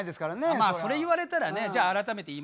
まあそれ言われたらねじゃあ改めて言いましょうか。